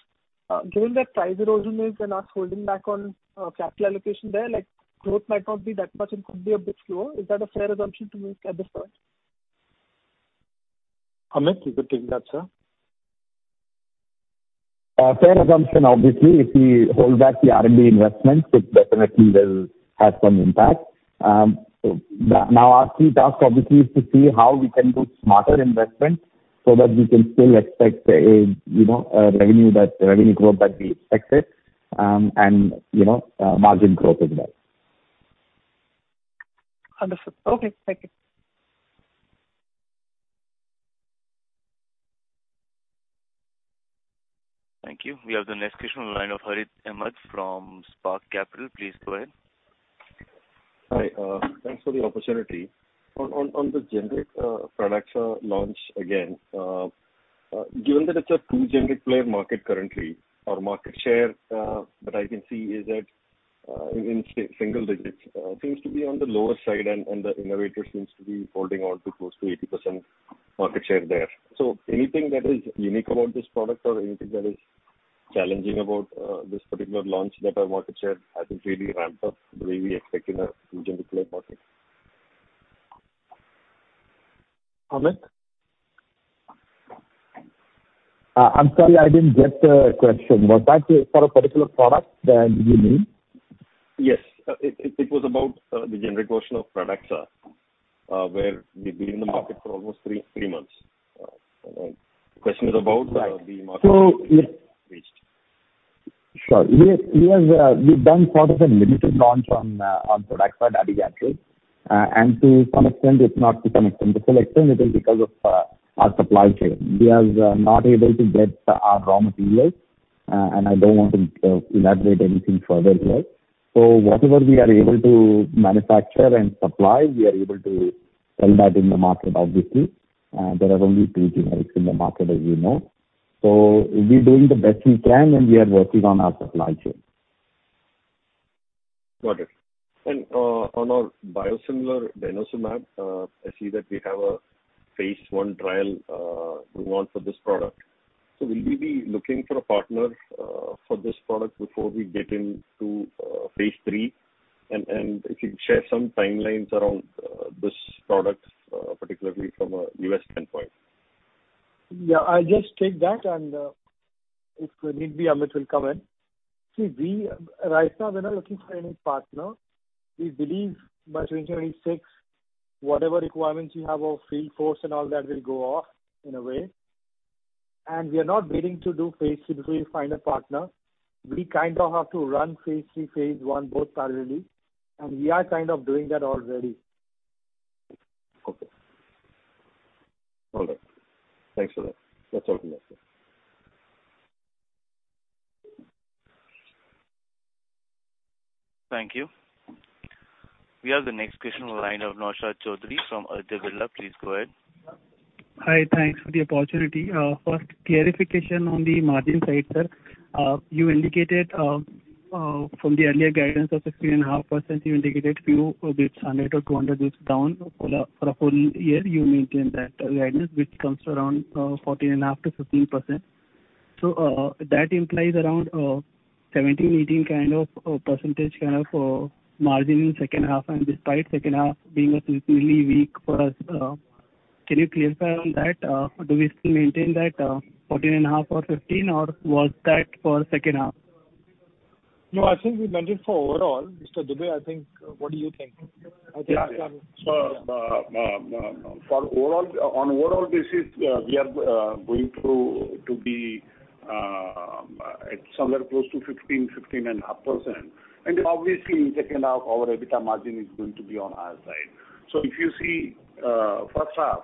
Speaker 16: Given that price erosion is and us holding back on capital allocation there, like growth might not be that much and could be a bit slower. Is that a fair assumption to make at this point?
Speaker 4: Amit, you could take that, sir.
Speaker 9: Fair assumption obviously. If we hold back the R&D investments, it definitely will have some impact. Now our key task obviously is to see how we can do smarter investment so that we can still expect a revenue growth that we expected, and, margin growth as well.
Speaker 16: Understood. Okay. Thank you.
Speaker 1: Thank you. We have the next question on the line of Harith Ahamed from Spark Capital Advisors. Please go ahead.
Speaker 17: Hi. Thanks for the opportunity. On the generic Pradaxa launch again, given that it's a two generic player market currently, our market share that I can see is in single digits seems to be on the lower side and the innovator seems to be holding on to close to 80% market share there. Anything that is unique about this product or anything that is challenging about this particular launch that our market share hasn't really ramped up the way we expect in a two generic player market?
Speaker 4: Amit?
Speaker 9: I'm sorry, I didn't get the question. Was that for a particular product that you mean?
Speaker 17: Yes. It was about the generic version of Pradaxa, where we've been in the market for almost three months. The question is about-
Speaker 9: Right.
Speaker 17: The market reached.
Speaker 9: Sure. We have done sort of a limited launch on Pradaxa, dabigatran. To some extent it is because of our supply chain. We are not able to get our raw materials, and I don't want to elaborate anything further here. Whatever we are able to manufacture and supply, we are able to sell that in the market obviously. There are only two generics in the market, as. We're doing the best we can, and we are working on our supply chain.
Speaker 17: Got it. On our biosimilar denosumab, I see that we have a Phase I trial going on for this product. Will we be looking for a partner for this product before we get into Phase III? If you can share some timelines around this product, particularly from a U.S. standpoint?
Speaker 4: Yeah. I'll just take that and, if need be, Amit will come in. See, right now we're not looking for any partner. We believe by 2026, whatever requirements we have of field force and all that will go off in a way. We are not waiting to do Phase III to find a partner. We kind of have to run Phase III, Phase I both parallelly, and we are kind of doing that already.
Speaker 17: Okay. All right. Thanks for that. That's all from my side.
Speaker 1: Thank you. We have the next question on the line of Naushad Chaudhary from Aditya Birla. Please go ahead.
Speaker 18: Hi. Thanks for the opportunity. First clarification on the margin side, sir. You indicated, from the earlier guidance of 16.5%, you indicated a few basis points, 100 or 200 basis points down. For the full year you maintain that guidance, which comes to around 14.5%-15%. That implies around 17-18% kind of margin in H2 and despite H2 being seasonally weak for us. Can you clarify on that? Do we still maintain that 14.5% or 15%, or was that for H2?
Speaker 4: No, I think we mentioned for overall. Mr. Dubey, I think, what do you think? I think.
Speaker 9: Yeah. Yeah. For overall, on overall basis, we are going to be somewhere close to 15-15.5%. Obviously in H2 our EBITDA margin is going to be on higher side. If you see, H1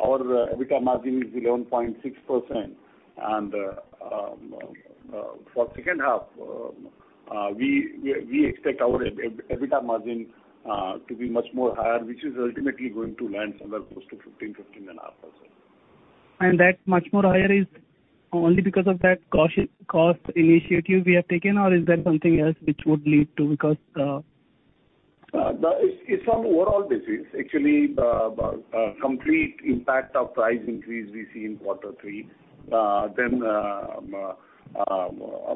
Speaker 9: our EBITDA margin is 11.6%. For H2, we expect our EBITDA margin to be much more higher, which is ultimately going to land somewhere close to 15-15.5%.
Speaker 18: That much more higher is only because of that cost initiative we have taken, or is there something else which would lead to? Because,
Speaker 6: It's some overall basis. Actually, the complete impact of price increase we see in Q3. Then,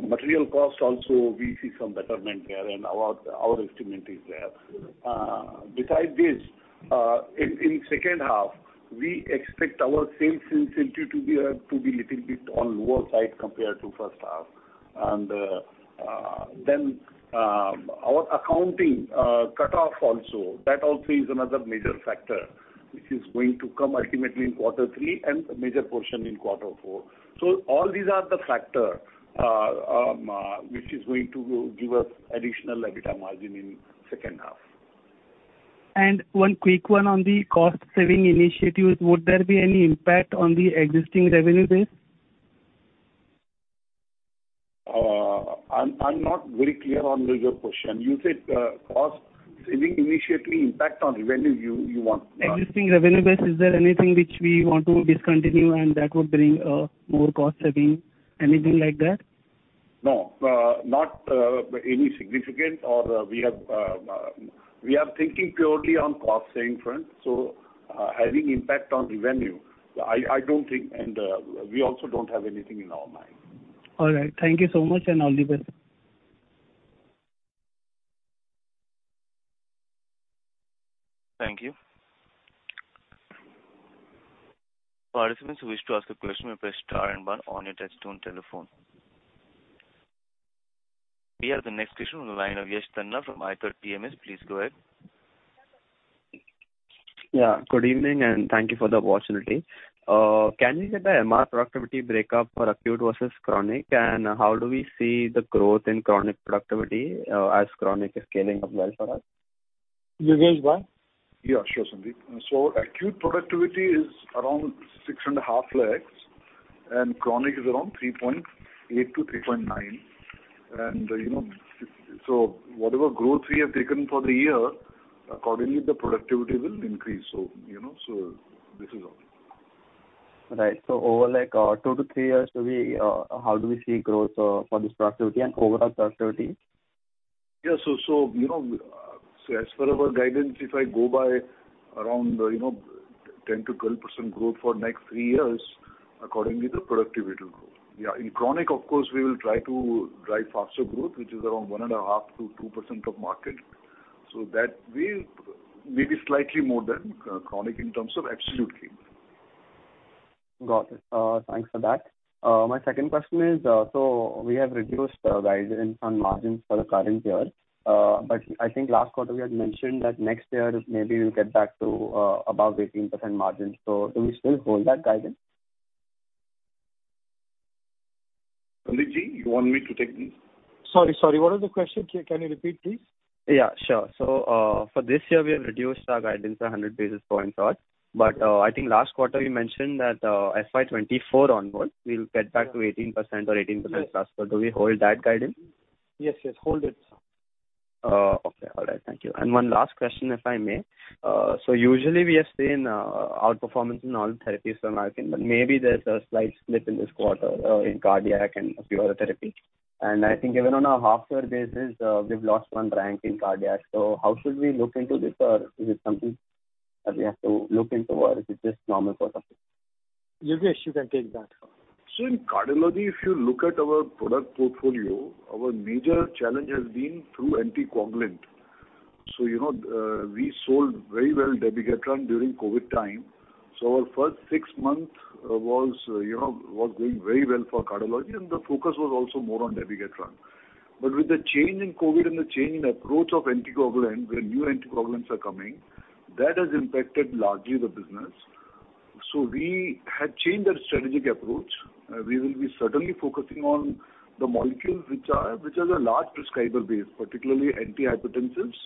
Speaker 6: material cost also we see some betterment there in our estimate is there. Besides this, in H2 we expect our sales intensity to be little bit on lower side compared to H1. Our accounting cutoff also. That also is another major factor which is going to come ultimately in Q3 and a major portion in Q4. All these are the factor which is going to give us additional EBITDA margin in H2.
Speaker 18: One quick one on the cost saving initiatives. Would there be any impact on the existing revenue base?
Speaker 6: I'm not very clear on your question. You said, cost saving initiative impact on revenue you want.
Speaker 18: Existing revenue base, is there anything which we want to discontinue and that would bring more cost saving? Anything like that?
Speaker 6: No. We are thinking purely on cost saving front, so having impact on revenue, I don't think, and we also don't have anything in our mind.
Speaker 18: All right. Thank you so much, and all the best.
Speaker 1: Thank you. Participants who wish to ask a question may press star and one on your touch-tone telephone. We have the next question on the line of Yash Tanna from Ithought PMS. Please go ahead.
Speaker 19: Yeah, good evening, and thank you for the opportunity. Can you share the MR productivity breakup for acute versus chronic, and how do we see the growth in chronic productivity, as chronic is scaling up well for us?
Speaker 18: You go, Yash.
Speaker 6: Yeah, sure, Sandip. Acute productivity is around 6.5 lakhs, and chronic is around 3.8-3.9 lakhs., so whatever growth we have taken for the year, accordingly the productivity will increase., so this is all.
Speaker 19: Right. Over, like, two-three years, do we, how do we see growth for this productivity and overall productivity?
Speaker 6: Yeah., as per our guidance, if I go by around 10%-12% growth for next three years, accordingly the productivity will grow. Yeah, in chronic, of course, we will try to drive faster growth, which is around 1.5%-2% of market. That will maybe slightly more than chronic in terms of absolute terms.
Speaker 19: Got it. Thanks for that. My second question is, we have reduced our guidance on margins for the current year. I think last quarter we had mentioned that next year maybe we'll get back to above 18% margins. Do we still hold that guidance?
Speaker 6: Sandipji, you want me to take this?
Speaker 18: Sorry. What was the question? Can you repeat, please?
Speaker 19: Yeah, sure. For this year we have reduced our guidance 100 basis points odd. I think last quarter you mentioned that, FY24 onwards we'll get back to 18% or 18%+. Do we hold that guidance?
Speaker 18: Yes, yes. Hold it.
Speaker 19: Oh, okay. All right. Thank you. One last question, if I may. Usually we have seen outperformance in all therapies from Alkem, but maybe there's a slight slip in this quarter in cardiac and a few other therapy. I think even on a half year basis, we've lost one rank in cardiac. How should we look into this, or is it something that we have to look into or is it just normal course of it?
Speaker 18: Yash, you can take that.
Speaker 6: In cardiology, if you look at our product portfolio, our major challenge has been through anticoagulant., we sold very well dabigatran during COVID time. Our first 6 months was doing very well for cardiology, and the focus was also more on dabigatran. But with the change in COVID and the change in approach of anticoagulant, where new anticoagulants are coming, that has impacted largely the business. We have changed our strategic approach. We will be certainly focusing on the molecules which has a large prescriber base, particularly antihypertensives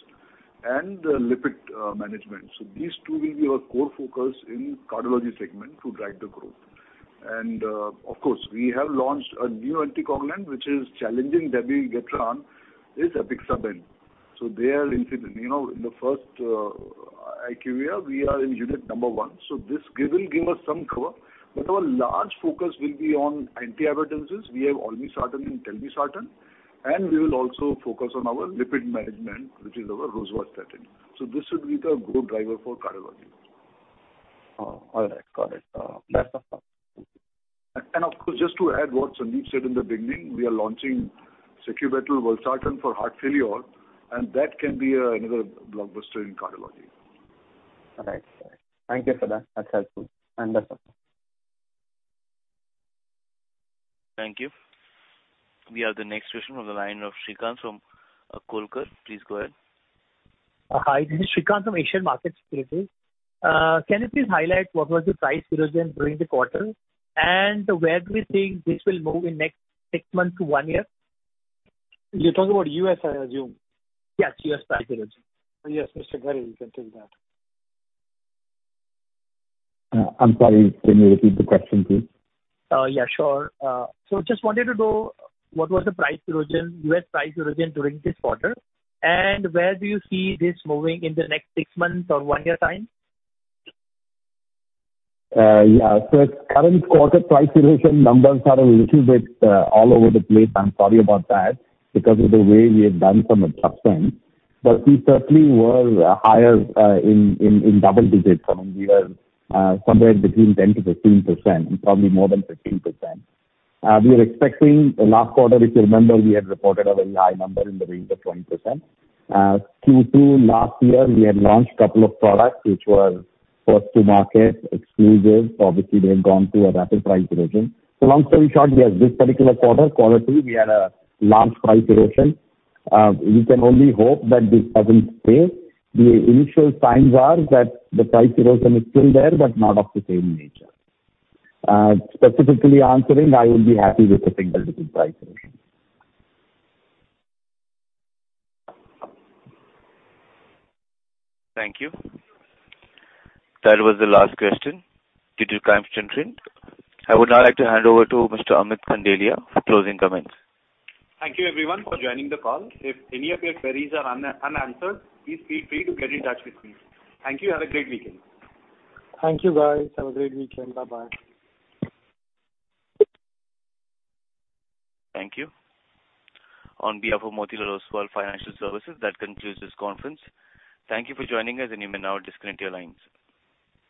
Speaker 6: and lipid management. These two will be our core focus in cardiology segment to drive the growth. Of course, we have launched a new anticoagulant which is challenging dabigatran, is apixaban., in the first IQVIA, we are number one in units. This will give us some cover. But our large focus will be on antihypertensives. We have olmesartan and telmisartan. We will also focus on our lipid management, which is our rosuvastatin. This would be the growth driver for cardiology.
Speaker 19: Oh, all right. Got it. That's all.
Speaker 6: Of course, just to add what Sandip said in the beginning, we are launching sacubitril-valsartan for heart failure, and that can be another blockbuster in cardiology.
Speaker 19: All right. Thank you for that. That's helpful. That's all.
Speaker 1: Thank you. We have the next question on the line of Shrikant from Kotak. Please go ahead.
Speaker 20: Hi. This is Shrikant from Asian Markets Securities. Can you please highlight what was the price erosion during the quarter? Where do you think this will move in next six months to one year?
Speaker 18: You're talking about U.S., I assume.
Speaker 20: Yes, U.S. price erosion.
Speaker 18: Yes, Mr. Ganesh, you can take that.
Speaker 9: I'm sorry. Can you repeat the question, please?
Speaker 20: Yeah, sure. Just wanted to know what was the price erosion, U.S. price erosion during this quarter, and where do you see this moving in the next six months or one year time?
Speaker 9: Current quarter price erosion numbers are a little bit all over the place. I'm sorry about that, because of the way we have done some adjustments. But we certainly were higher in double digits. I mean, we are somewhere between 10%-15%, and probably more than 15%. Last quarter, if you remember, we had reported a very high number in the range of 20%. Q2 last year, we had launched a couple of products which were first to market, exclusives. Obviously, they have gone through a rapid price erosion. So long story short, yes, this particular Q2, we had a large price erosion. We can only hope that this doesn't stay. The initial signs are that the price erosion is still there, but not of the same nature. Specifically answering, I will be happy with a single-digit price erosion.
Speaker 1: Thank you. That was the last question due to time constraint. I would now like to hand over to Mr. Amit Khandelwal for closing comments.
Speaker 3: Thank you everyone for joining the call. If any of your queries are unanswered, please feel free to get in touch with me. Thank you. Have a great weekend.
Speaker 4: Thank you, guys. Have a great weekend. Bye-bye.
Speaker 1: Thank you. On behalf of Motilal Oswal Financial Services, that concludes this conference. Thank you for joining us, and you may now disconnect your lines.